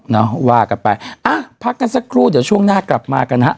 ว่ากันไปอ่ะพักกันสักครู่เดี๋ยวช่วงหน้ากลับมากันฮะ